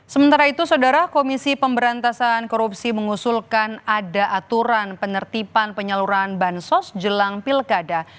sementara itu saudara komisi pemberantasan korupsi mengusulkan ada aturan penertiban penyaluran bansos jelang pilkada